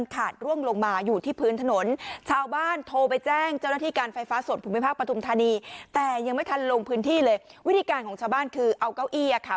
ฟ้าผ่าเสร็จปุ๊บสายไฟฟ้าแรงสูงเนี่ย